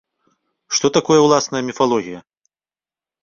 Што такое ўласна міфалогія?